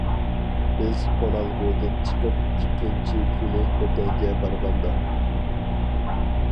بىز قونالغۇدىن چىقىپ ئىككىنچى كۈنى ئۆتەڭگە بارغاندا.